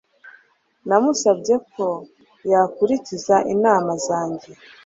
Namusabye ko yakurikiza inama zanjye